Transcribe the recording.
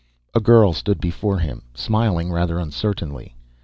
A girl stood before him smiling rather uncertainly.